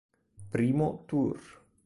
Primo tour...